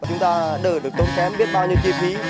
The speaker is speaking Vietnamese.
chúng ta đỡ được tốn kém biết bao nhiêu chi phí